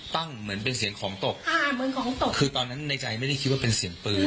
เหมือนเป็นเสียงของตกอ่าเหมือนของตกคือตอนนั้นในใจไม่ได้คิดว่าเป็นเสียงปืน